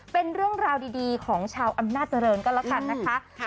เป็นเรื่องราวดีของชาวอำนาจริงก็แล้วกันนะคะ